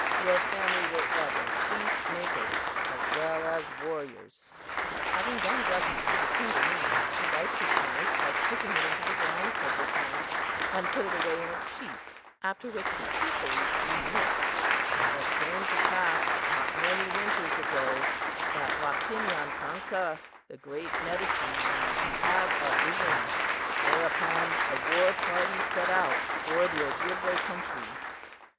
Your family were ever feastmakers as well as warriors." Having done justice to the tender meat, he wiped his knife by sticking it into the ground several times, and put it away in its sheath, after which he cheerfully recommenced: "It came to pass not many winters ago that Wakinyan tonka, the great medicine man, had a vision; whereupon a war party set out for the Ojibway country.